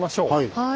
はい。